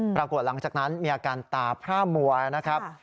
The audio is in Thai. หลังจากนั้นมีอาการตาพร่ามัวนะครับ